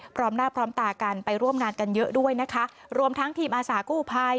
พร้อมหน้าพร้อมตากันไปร่วมงานกันเยอะด้วยนะคะรวมทั้งทีมอาสากู้ภัย